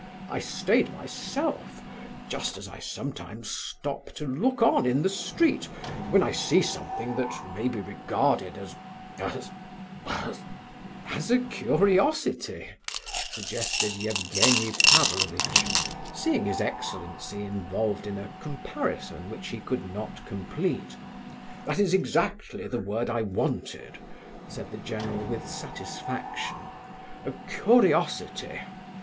I stayed myself, just as I sometimes stop to look on in the street when I see something that may be regarded as as as " "As a curiosity," suggested Evgenie Pavlovitch, seeing his excellency involved in a comparison which he could not complete. "That is exactly the word I wanted," said the general with satisfaction—"a curiosity.